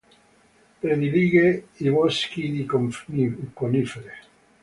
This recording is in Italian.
Predilige i boschi di conifere.